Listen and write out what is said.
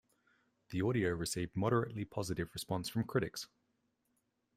The audio received moderately positive response from critics.